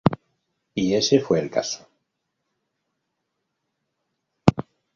Y ese fue el caso.